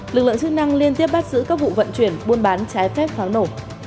lực lượng chức năng liên tiếp bắt giữ các vụ vận chuyển buôn bán trái phép pháo nổ